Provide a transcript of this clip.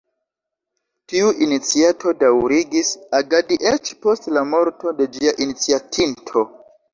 Tiu iniciato daŭrigis agadi eĉ post la morto de ĝia iniciatinto.